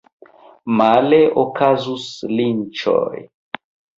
Male okazus linĉoj.